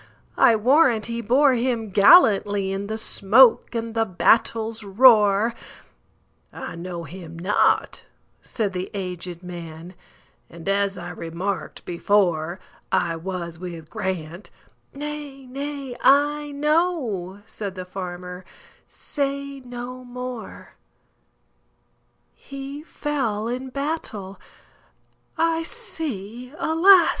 I warrant he bore him gallantlyIn the smoke and the battle's roar!""I know him not," said the aged man,"And, as I remarked before,I was with Grant"—"Nay, nay, I know,"Said the farmer, "say no more:"He fell in battle,—I see, alas!